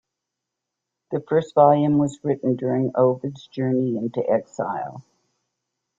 The first volume was written during Ovid's journey into exile.